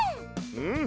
うん！